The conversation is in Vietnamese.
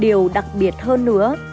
điều đặc biệt hơn nữa